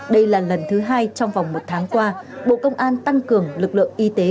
đây là lần thứ hai trong vòng một tháng qua bộ công an tăng cường lực lượng y tế